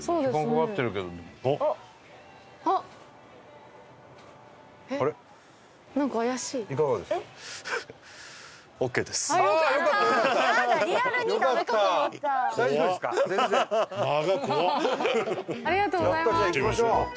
やった！じゃあ行きましょう。